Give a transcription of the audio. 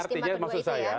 menjelang istimewa dua itu ya